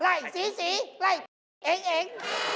ไล่ศรีศรีไล่เองเอง